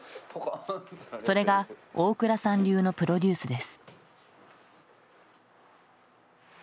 それが大倉さん流のプロデュースです。